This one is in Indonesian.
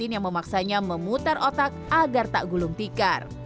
yang memaksanya memutar otak agar tak gulung tikar